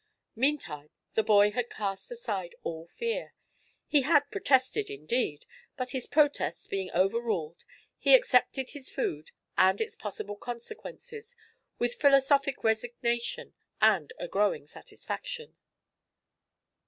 Meantime, the boy had cast aside all fear. He had protested, indeed, but his protests being overruled he accepted his food and its possible consequences with philosophic resignation and a growing satisfaction.